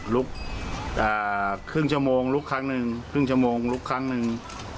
ลุกครึ่งชั่วโมงลุกครั้งหนึ่งครึ่งชั่วโมงลุกครั้งหนึ่ง